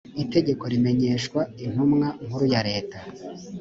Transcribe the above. itegeko rimenyeshwa intumwa nkuru ya leta